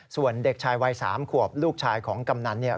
ส่วนเด็กชายวัย๓ขวบลูกชายของกำนันเนี่ย